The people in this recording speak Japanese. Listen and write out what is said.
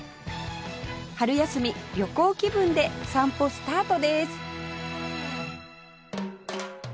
春休み旅行気分で散歩スタートです